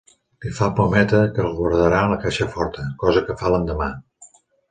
Li fa prometre que el guardarà a la caixa forta, cosa que fa l'endemà.